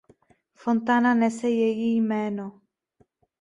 Fontána nese její jméno.